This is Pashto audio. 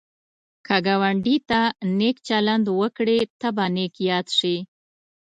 که ګاونډي ته نېک چلند وکړې، ته به نېک یاد شي